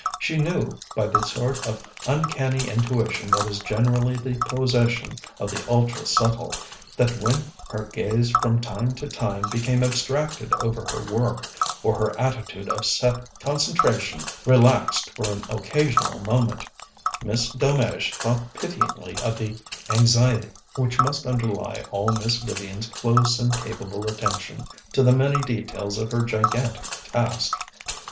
She knew, by the sort of uncanny intuition that is generally the possession of the ultra subtle, that when her gaze from time to time became abstracted over her work, or her attitude of set concentration relaxed for an occasional moment, Miss Delmege thought pityingly of the anxiety which must underlie all Miss Vivian's close and capable attention to the many details of her gigantic task.